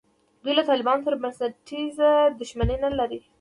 دوی له طالبانو سره بنسټیزه دښمني نه لري.